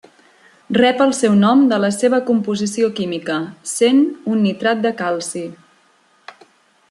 Rep el seu nom de la seva composició química, sent un nitrat de calci.